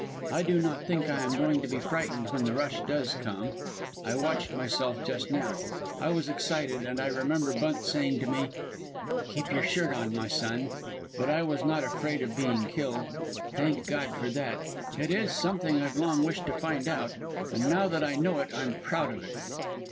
I do not think I am going to be frightened when the rush does come. I watched myself just now. I was excited, and I remember Bunt saying to me, 'Keep your shirt on, m'son'; but I was not afraid of being killed. Thank God for that! It is something I've long wished to find out, and now that I know it I am proud of it.